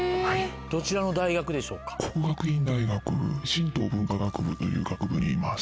どちらの大学でしょうか？という学部にいます。